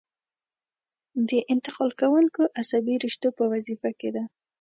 د انتقال کوونکو عصبي رشتو په وظیفه کې ده.